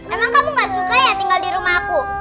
emang kamu gak suka ya tinggal di rumahku